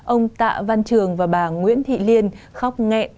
ông tạ văn trường và bà nguyễn thị liên khóc nghẹ